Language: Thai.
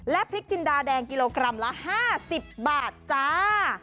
พริกจินดาแดงกิโลกรัมละ๕๐บาทจ้า